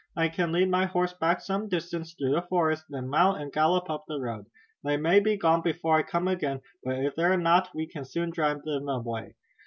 "I can lead my horse back some distance through the forest, then mount and gallop up the road. They may be gone before I come again, but if they are not we can soon drive them away."